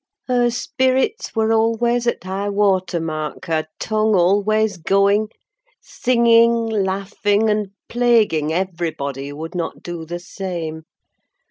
Her spirits were always at high water mark, her tongue always going—singing, laughing, and plaguing everybody who would not do the same.